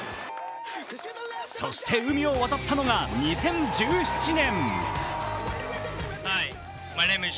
そして、海を渡ったのが２０１７年。